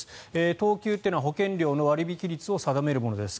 等級は保険料の割引率を定めるものです。